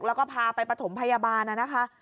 แล้วก็พาไปประถมพยาบาลนะคะ